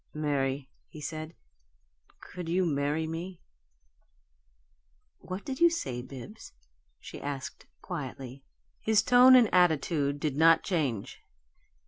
"Mary," he said, "could you marry me?" "What did you say, Bibbs?" she asked, quietly. His tone and attitude did not change.